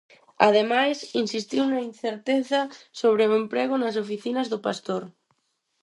Ademais, insistiu na "incerteza" sobre o emprego nas oficinas do Pastor.